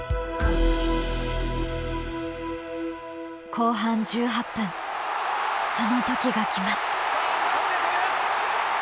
後半１８分その時が来ます。